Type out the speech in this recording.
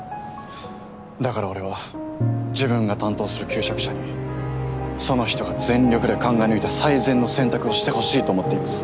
だから俺は自分が担当する求職者にその人が全力で考え抜いた最善の選択をしてほしいと思っています。